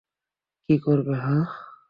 কী করবে, হাহ?